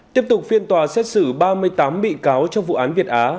tiếp tục phiên tòa xét xử ba mươi tám bị cáo trong vụ án việt á